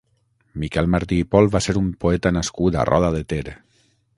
Miquel Martí i Pol va ser un poeta nascut a Roda de Ter.